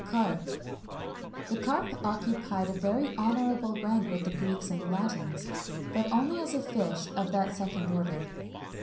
BOSC. CARP. The carp occupied a very honourable rank with the Greeks and Latins, but only as a fish of the second order.